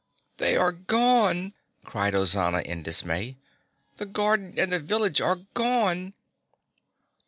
"They are gone," cried Ozana in dismay. "The garden and the village are gone!"